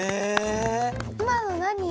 今の何？